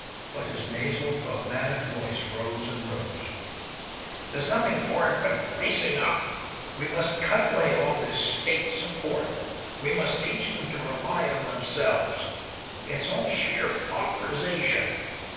But his nasal, dogmatic voice rose and rose. "There's nothing for it but bracing up! We must cut away all this State support; we must teach them to rely on themselves. It's all sheer pauperisation."